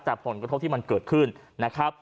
แต่ผลกระทบที่มันเกิดขึ้นนะครับ